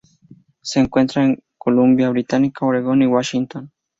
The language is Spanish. Se encuentra en la Columbia Británica, Oregon y Washington.